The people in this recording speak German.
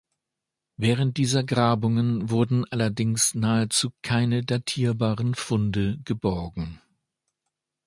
Während dieser Grabungen wurden allerdings nahezu keine datierbaren Funde geborgen.